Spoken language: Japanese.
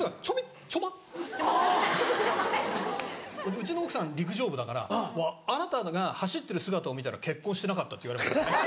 うちの奥さん陸上部だから「あなたが走ってる姿を見たら結婚してなかった」って言われましたからね。